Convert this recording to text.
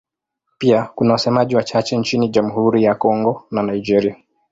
Pia kuna wasemaji wachache nchini Jamhuri ya Kongo na Nigeria.